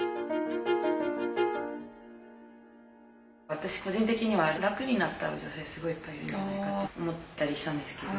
私個人的には楽になった女性すごいいっぱいいるんじゃないかって思ったりしたんですけど。